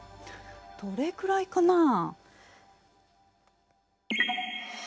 どれくらいかなあ？